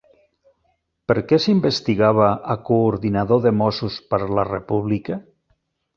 Per què s'investigava a coordinador de Mossos per la República?